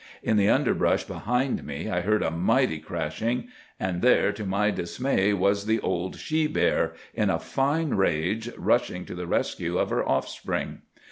In the underbrush behind me I heard a mighty crashing; and there to my dismay was the old she bear, in a fine rage, rushing to the rescue of her offspring.